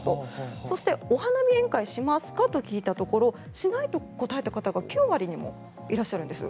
そして、お花見宴会しますかと聞いたところしないと答えた方が９割もいらっしゃるんです。